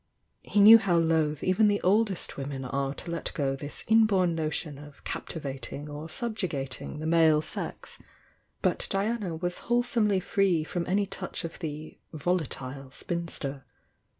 He knew how loth even the oldest women are to let go this inborn notion of captivating or subjugating the male sex, — but Diana was wholesomely free from any touch of the "vola tile spinster."